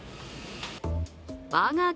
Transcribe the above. バーガー